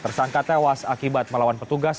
tersangka tewas akibat melawan petugas